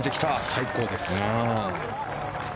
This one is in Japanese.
最高です。